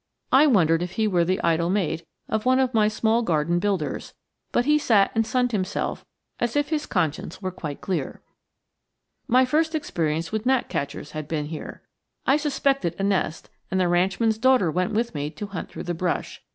I wondered if he were the idle mate of one of my small garden builders, but he sat and sunned himself as if his conscience were quite clear. My first experience with gnatcatchers had been here. I suspected a nest, and the ranchman's daughter went with me to hunt through the brush.